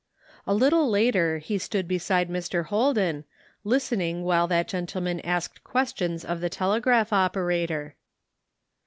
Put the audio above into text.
A little later he stood beside Mr. Holden, list ening while that gentleman asked questions of the telegraph operator.